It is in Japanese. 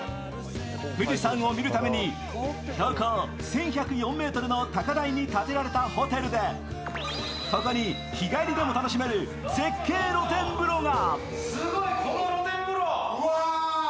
富士山を見るために標高１１０４ｍの高台に建てられたホテルでここに日帰りでも楽しめる絶景露天風呂が。